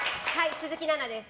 鈴木奈々です。